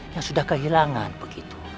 yang sudah kehilangan begitu